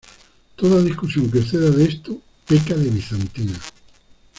Toda discusión que exceda de esto, peca de bizantina.